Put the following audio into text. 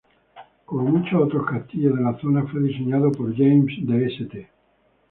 Como muchos otros castillos de la zona, fue diseñado por James de St.